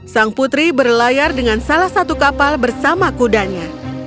sang putri berlayar dengan salah satu kapal bersama kudanya